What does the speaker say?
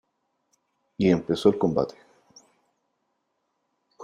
Y empezó el combate.